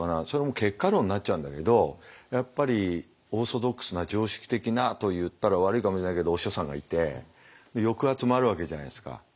それも結果論になっちゃうんだけどやっぱりオーソドックスな常識的なと言ったら悪いかもしれないけどお師匠さんがいて抑圧もあるわけじゃないですか。